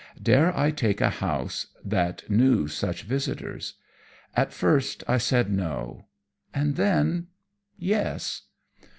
Dare I take a house that knew such visitors? At first I said no, and then yes.